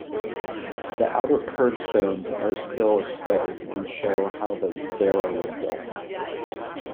The outer kerb stones are still exposed, and show how the barrow was built.